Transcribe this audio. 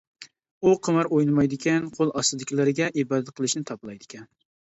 ئۇ قىمار ئوينىمايدىكەن، قول ئاستىدىكىلىرىگە ئىبادەت قىلىشنى تاپىلايدىكەن.